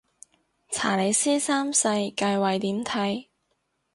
查理斯三世繼位點睇